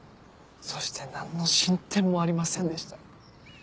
そして何の進展もありませんでした。